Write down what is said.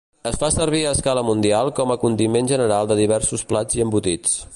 Es fa servir a escala mundial com a condiment general de diversos plats i embotits.